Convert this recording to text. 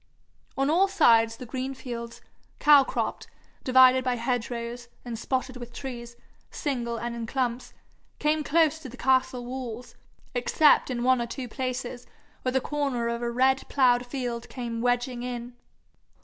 On all sides the green fields, cow cropped, divided by hedge rows, and spotted with trees, single and in clumps, came close to the castle walls, except in one or two places where the corner of a red ploughed field came wedging in.